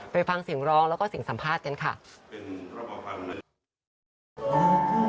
ไปฟังเสียงร้องแล้วก็เสียงสัมภาษณ์กันค่ะ